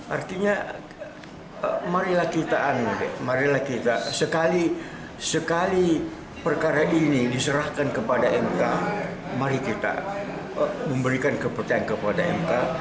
artinya marilah kita marilah kita sekali perkara ini diserahkan kepada mk mari kita memberikan kepercayaan kepada mk